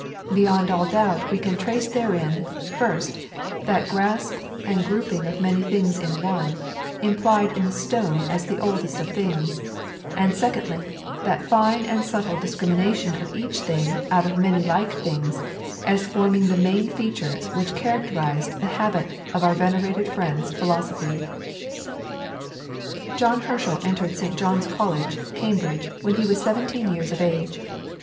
Beyond all doubt we can trace therein, first, that grasp and grouping of many things in one, implied in the stone as the oldest of things; and, secondly, that fine and subtle discrimination of each thing out of many like things as forming the main features which characterized the habit of our venerated friend's philosophy." John Herschel entered St. John's College, Cambridge, when he was seventeen years of age.